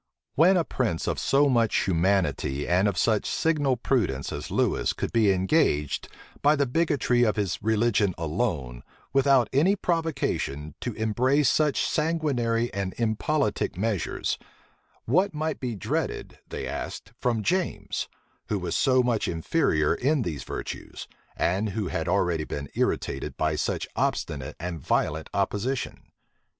When a prince of so much humanity and of such signal prudence as Lewis could be engaged, by the bigotry of his religion alone, without any provocation, to embrace such sanguinary and impolitic measures, what might be dreaded, they asked, from James, who was so much inferior in these virtues, and who had already been irritated by such obstinate and violent opposition?